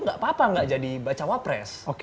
gak apa apa gak jadi baca wapres